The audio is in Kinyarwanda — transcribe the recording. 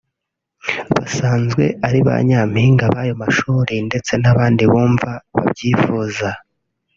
basanzwe ari ba Nyampinga b’ayo mashuri ndetse n’abandi bumva babyifuza